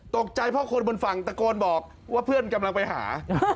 ตกใจเพราะคนบนฝั่งตะโกนบอกว่าเพื่อนกำลังไปหา